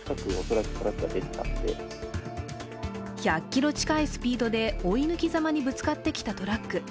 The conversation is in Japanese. １００キロ近いスピードで追い抜きざまにぶつかってきたトラック。